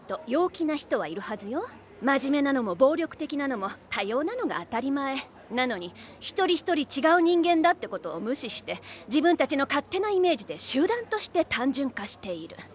真面目なのも暴力的なのも多様なのが当たり前なのにひとりひとり違う人間だってことを無視して自分たちの勝手なイメージで集団として単純化している。